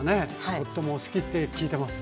とってもお好きって聞いてます。